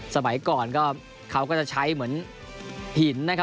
สมัยก่อนเขาก็จะใช้เหมือนหินนะครับ